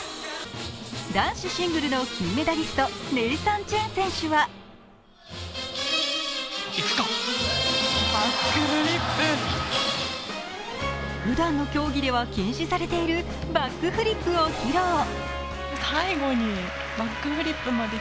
男子シングルの金メダリスト・ネイサン・チェン選手はふだんの競技では禁止されているバックフリップを披露。